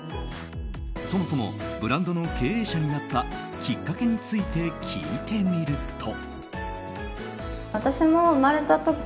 そもそもブランドの経営者になったきっかけについて聞いてみると。